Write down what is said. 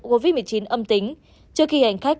covid một mươi chín âm tính trước khi hành khách